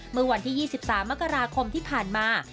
เมื่อวันที่๒๓มกราคมที่ผ่านมา